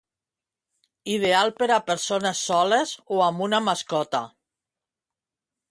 Ideal per a persones soles o amb una mascota.